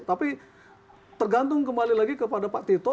tapi tergantung kembali lagi kepada pak tito